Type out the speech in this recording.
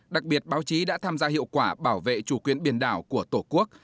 đặc biệt báo chí đã tham gia hiệu quả bảo vệ chủ quyền biển đảo của tổ quốc